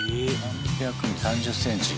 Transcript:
３０センチ。